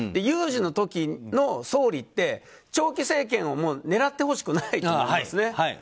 有事の時の総理って長期政権を狙ってほしくなと思うんですね。